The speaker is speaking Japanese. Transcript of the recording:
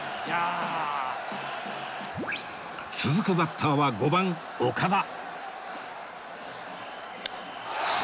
続くバッターは５番岡田